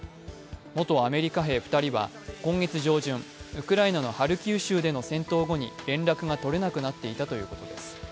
元アメリカ兵２人は、今月上旬ウクライナのハルキウ州での戦闘後に連絡が取れなくなっていたということです。